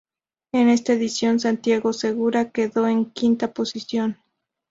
En esta edición, Santiago Segura quedó en quinta posición.